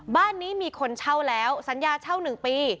บ้านนี้มีคนเช่าแล้วสัญญาเช่า๑ปี